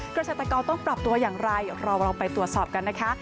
เกษตรกรต้องปรับตัวอย่างไรเราลองไปตรวจสอบกันนะคะ